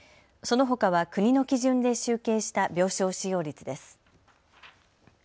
そのほかは国の基準で集計した病床使用率です。